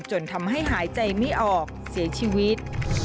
จนทำให้หายใจไม่ออกเสียชีวิต